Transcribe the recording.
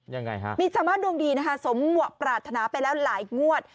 ยังไงคะมีสมรสดงดีนะคะสมมติปรารถนาไปแล้วหลายงวด